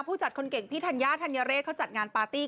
ผู้จัดคนเก่งผีทัลยาธัลยะเล้วเจ้าจัดงานปาร์ตี้